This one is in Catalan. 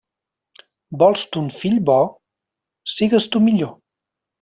Vols ton fill bo? Sigues tu millor.